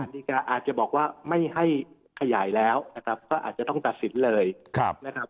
ดีการอาจจะบอกว่าไม่ให้ขยายแล้วนะครับก็อาจจะต้องตัดสินเลยนะครับ